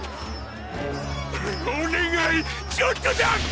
お願いちょっとだけ！